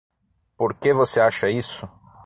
Por que você acha isso?